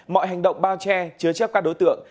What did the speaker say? mọi hành động bao che chứa chấp các đối tượng